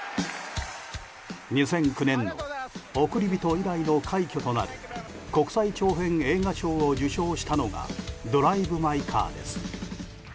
２００９年の「おくりびと」以来の快挙となる国際長編映画賞を受賞したのが「ドライブ・マイ・カー」です。